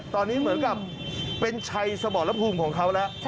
ตอนนี้เหมือนกับเป็นชัยสมรภูมิของเขาแล้ว